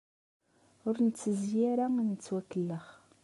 Ur nettezzi ara ad nettwakellex.